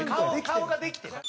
顔ができてる。